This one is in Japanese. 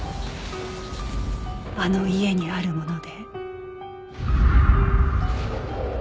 あの家にあるもので